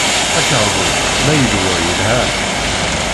Akerbub ma yelwa yelha.